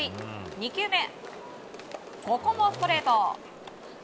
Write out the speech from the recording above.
２球目、ここもストレート。